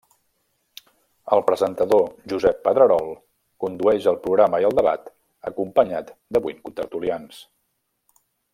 El presentador Josep Pedrerol condueix el programa i el debat acompanyat de vuit contertulians.